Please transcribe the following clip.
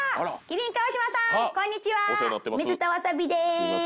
水田わさびです！